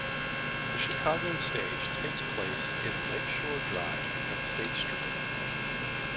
The Chicago stage takes place in Lake Shore Drive and State Street.